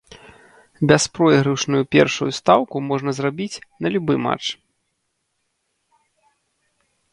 Бяспройгрышную першую стаўку можна зрабіць на любы матч.